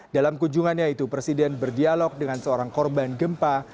dalam kunjungannya itu presiden berdialog dengan seorang korban gempa